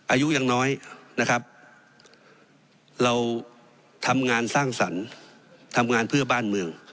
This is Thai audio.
อายุยังน้อยนะครับเราทำงานสร้างสรรค์ทำงานเพื่อบ้านเมือง